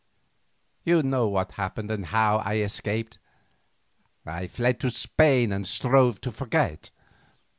"You know what happened and how I escaped. I fled to Spain and strove to forget.